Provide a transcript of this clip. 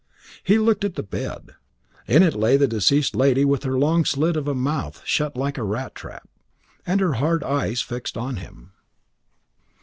He looked at the bed. In it lay the deceased lady with her long slit of a mouth shut like a rat trap, and her hard eyes fixed on him.